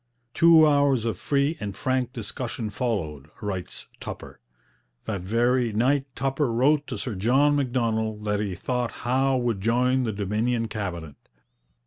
'Two hours of free and frank discussion followed,' writes Tupper. That very night Tupper wrote to Sir John Macdonald that he thought Howe would join the Dominion Cabinet.